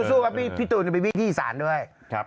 สู้พี่ตูนมีวิธีสารด้วย